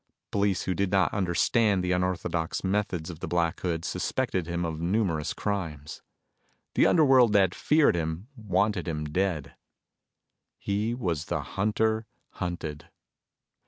Police who did not understand the unorthodox methods of the Black Hood suspected him of numerous crimes. The underworld that feared him wanted him dead. He was the hunter hunted.